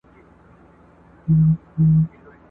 په څه هیلو درته راغلم څه خُمار درڅخه ځمه !.